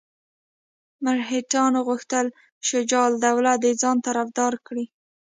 مرهټیانو غوښتل شجاع الدوله د ځان طرفدار کړي.